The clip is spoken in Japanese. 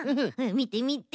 みてみて。